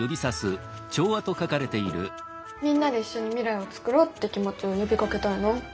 「みんなで一緒に未来をつくろう」って気持ちを呼びかけたいな。